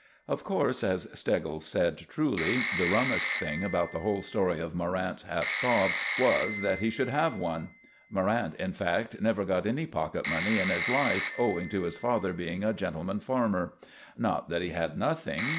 Of course, as Steggles said truly, the rummest thing about the whole story of Morrant's half sov. was that he should have one. Morrant, in fact, never got any pocket money in his life, owing to his father being a gentleman farmer. Not that he had nothing.